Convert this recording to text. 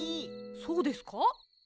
そうですか？